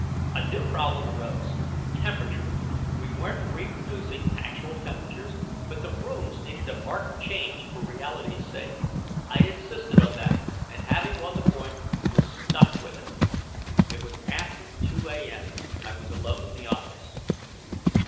A new problem arose: temperature. We weren't reproducing actual temperatures, but the rooms needed a marked change, for reality's sake. I'd insisted on that, and having won the point, was stuck with it. It was after 2 A.M.; I was alone in the office.